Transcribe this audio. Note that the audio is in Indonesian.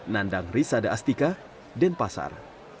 nandang risada astika denpasar